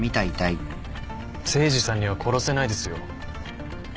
誠司さんには殺せないですよ。